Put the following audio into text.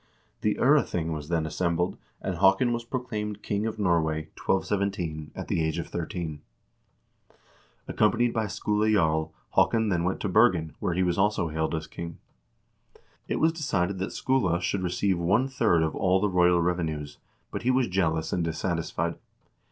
The 0rething was then assembled, and Haakon was proclaimed king of Norway, 1217, at the age of thirteen. Accompanied by Skule Jarl, Haakon then went to Bergen, where he was also hailed as king. It was decided that Skule should receive one third of all the royal revenues, but he was jealous and dissatisfied.